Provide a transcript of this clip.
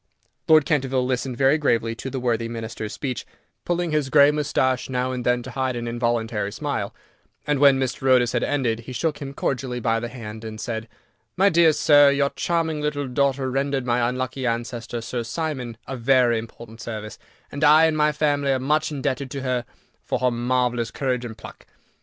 Lord Canterville listened very gravely to the worthy Minister's speech, pulling his grey moustache now and then to hide an involuntary smile, and when Mr. Otis had ended, he shook him cordially by the hand, and said: "My dear sir, your charming little daughter rendered my unlucky ancestor, Sir Simon, a very important service, and I and my family are much indebted to her for her marvellous courage and pluck.